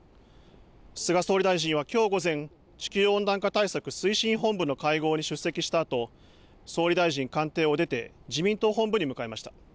菅総理大臣はきょう午前、地球温暖化対策推進本部の会合に出席したあと総理大臣官邸を出て自民党本部に向かいました。